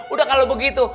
udah kalau begitu